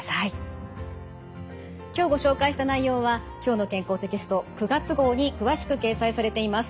今日ご紹介した内容は「きょうの健康」テキスト９月号に詳しく掲載されています。